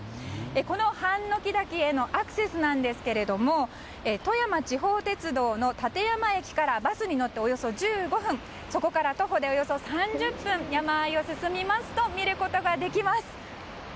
このハンノキ滝へのアクセスは富山地方鉄道の立山駅からバスに乗っておよそ１５分そこから徒歩でおよそ３０分山あいを進みますと見ることができます。